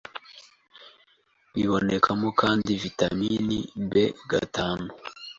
Bibonekamo kandi vitamin B gatanu